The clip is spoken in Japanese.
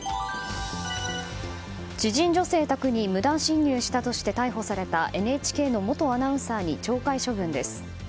知人女性宅に無断侵入したとして逮捕されたＮＨＫの元アナウンサーに懲戒処分です。